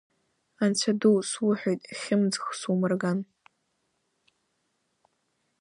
Анцәа ду, суҳәоит, хьымӡӷ сумырган…